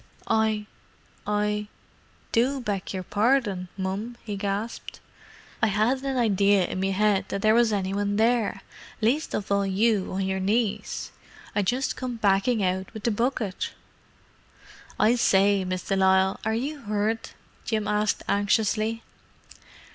"I—I—do beg your pardon, mum!" he gasped. "I 'adn't an idea in me 'ead there was any one there, least of all you on your knees. I just come backin' out with the bucket!" "I say, Miss de Lisle, are you hurt?" Jim asked anxiously.